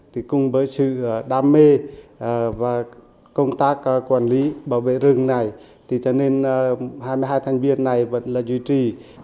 thì cùng với sự đam mê và công tác quản lý bảo vệ rừng này thì cho nên hai mươi hai thành viên này vẫn là duy trì